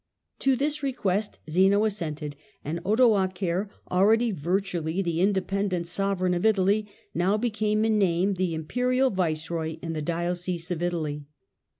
To this request Zeno assented and Odoacer, already virtually the independent sovereign of Italy, now became, in name, the Imperial viceroy in the " Diocese of Italy